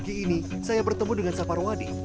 pagi ini saya bertemu dengan sapar wadi